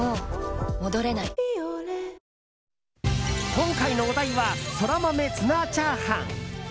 今回のお題はソラマメツナチャーハン。